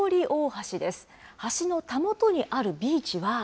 橋のたもとにあるビーチは。